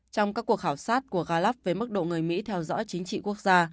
trong các cuộc khảo sát của gallup về mức độ người mỹ theo dõi chính trị quốc gia